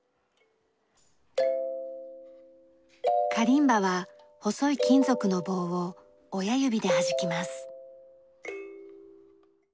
カリンバは細い金属の棒を親指ではじきます。